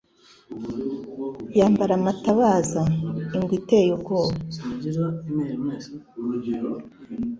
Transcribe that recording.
Yambara amatabaza. Ingwe iteye ubwoba